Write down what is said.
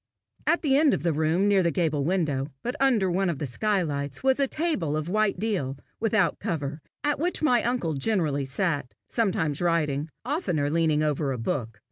At the end of the room, near the gable window, but under one of the skylights, was a table of white deal, without cover, at which my uncle generally sat, sometimes writing, oftener leaning over a book.